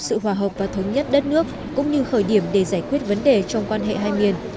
sự hòa hợp và thống nhất đất nước cũng như khởi điểm để giải quyết vấn đề trong quan hệ hai miền